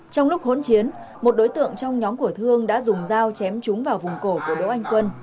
trong lúc hỗn chiến một đối tượng trong nhóm của thương đã dùng dao chém chúng vào vùng cổ của đỗ anh quân